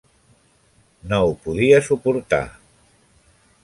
No ho podia suportar.